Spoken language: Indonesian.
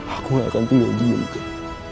aku gak akan tinggal diam kak